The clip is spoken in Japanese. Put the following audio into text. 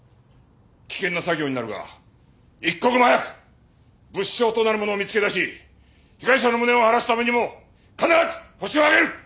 危険な作業になるが一刻も早く物証となるものを見つけ出し被害者の無念を晴らすためにも必ずホシを挙げる！